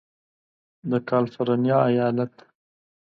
د کالفرنیا ایالت